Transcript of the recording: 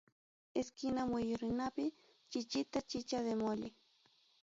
Esquina muyurinapi, chichita chicha de molle.